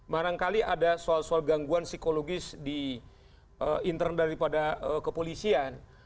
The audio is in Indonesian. barangkali ada soal soal gangguan psikologis di internal daripada kepolisian